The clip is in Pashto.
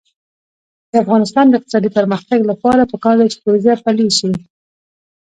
د افغانستان د اقتصادي پرمختګ لپاره پکار ده چې پروژه پلي شي.